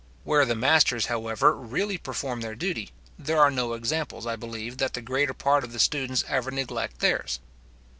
Where the masters, however, really perform their duty, there are no examples, I believe, that the greater part of the students ever neglect theirs.